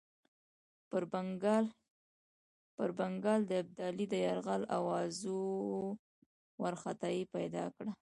پر بنګال د ابدالي د یرغل آوازو وارخطایي پیدا کړه.